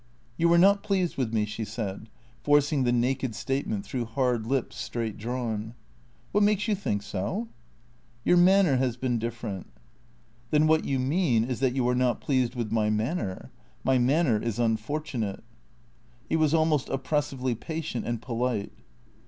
" You are not pleased with me," she said, forcing the naked statement through hard lips straight drawn. " What makes you think so ?"" Your manner has been different." "Then what you mean is that you are not pleased with my manner. My manner is unfortunate." He was almost oppressively patient and polite.